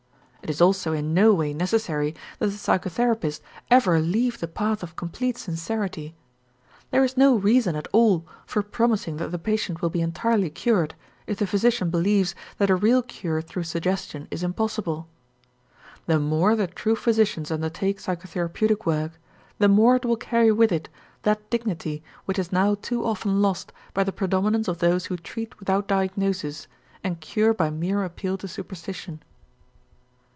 It is also in no way necessary that the psychotherapist ever leave the path of complete sincerity. There is no reason at all for promising that the patient will be entirely cured if the physician believes that a real cure through suggestion is impossible. The more the true physicians undertake psychotherapeutic work, the more it will carry with it that dignity which is now too often lost by the predominance of those who treat without diagnosis and cure by mere appeal to superstition.